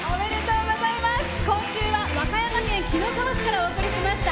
今週は和歌山県紀の川市からお送りしました。